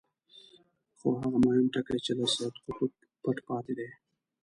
خو هغه مهم ټکی چې له سید قطب پټ پاتې دی.